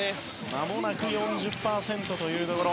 まもなく４０％というところ。